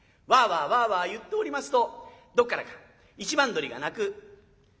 わあわあわあわあ言っておりますとどっからか一番鶏が鳴く。